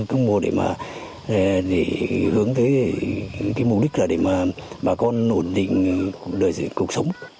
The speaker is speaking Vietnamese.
cái mùa để mà để hướng tới cái mục đích là để mà bà con ổn định đời sống